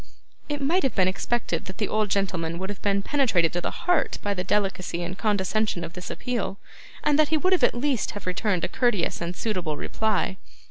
It might have been expected that the old gentleman would have been penetrated to the heart by the delicacy and condescension of this appeal, and that he would at least have returned a courteous and suitable reply.